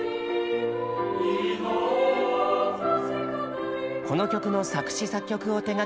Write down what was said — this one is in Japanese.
この曲の作詞作曲を手がけたのは。